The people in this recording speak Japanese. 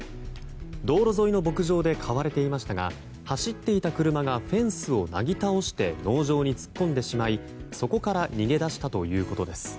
道路沿いの牧場で飼われていましたが走っていた車がフェンスをなぎ倒して農場に突っ込んでしまいそこから逃げ出したということです。